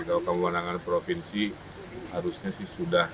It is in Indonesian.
kalau kamu menangani provinsi harusnya sudah